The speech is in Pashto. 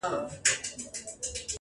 پښې او غاړي په تارونو کي تړلي.